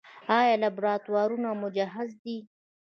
آیا لابراتوارونه مجهز دي؟